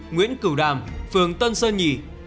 một trăm năm mươi chín nguyễn cửu đàm phường tân sơn nhì